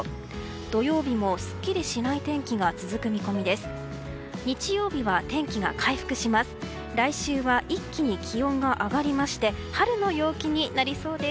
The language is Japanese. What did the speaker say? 土曜日もすっきりしない天気が続く見込みです。